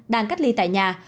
đang cách ly tại nhà